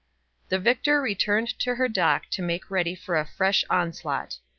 The victor returned to her dock to make ready for a fresh onslaught.